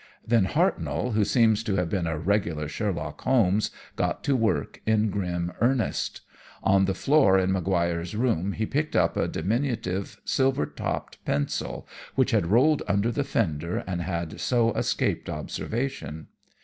"Then Hartnoll, who seems to have been a regular Sherlock Holmes, got to work in grim earnest. On the floor in Maguire's room he picked up a diminutive silver topped pencil, which had rolled under the fender and had so escaped observation.